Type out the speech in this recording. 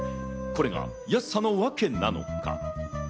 これが安さのワケなのか？